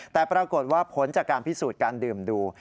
แต่ปรากฏว่าผลจากการพิสูจน์การดื่มดู